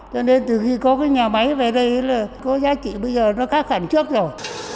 cho nên từ khi có cái nhà máy về đây là có giá trị bây giờ nó khác hẳn trước rồi